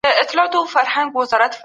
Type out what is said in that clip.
د مسموم شویو ماشومانو شمېر هم لوړېدلی.